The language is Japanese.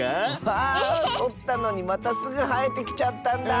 あそったのにまたすぐはえてきちゃったんだ！